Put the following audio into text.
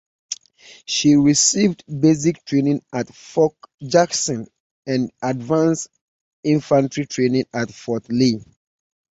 She received basic training at Fort Jackson, and advanced infantry training at Fort Lee.